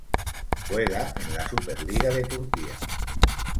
Juega en la Superliga de Turquía.